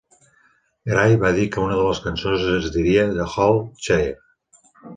Gray va dir que una de les cançons es diria "The Old Chair".